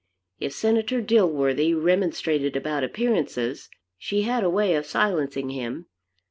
If Senator Dilworthy remonstrated about appearances, she had a way of silencing him.